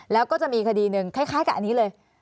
แล้วก็จะมีคดีหนึ่งคล้ายกับอันนี้เลย